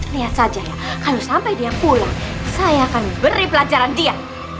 lihat saja ya kalau sampai dia pulang saya akan beri pelajaran dia